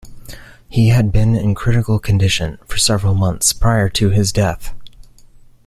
He had been in critical condition for several months prior to his death.